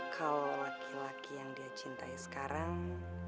kalau laki laki yang dia cintai sekarang